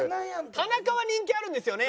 田中は人気あるんですよね